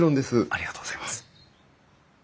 ありがとうございます。